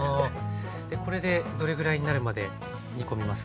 これでどれぐらいになるまで煮込みますか？